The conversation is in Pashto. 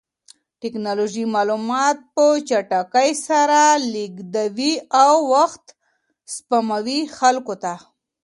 ټکنالوژي معلومات په چټکۍ سره لېږدوي او وخت سپموي خلکو ته.